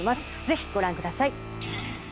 是非ご覧ください